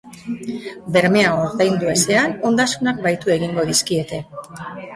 Bermea ordaindu ezean, ondasunak bahitu egingo dizkiete.